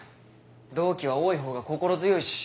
同期は多い方が心強いし。